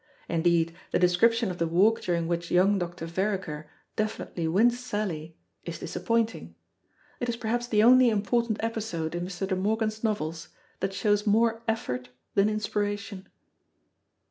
Indeed, the description of the walk during which young Dr. Vereker definitely wins Sally, is disappointing. It is perhaps the only important episode in Mr. De Morgan's novels that shows more effort than inspiration.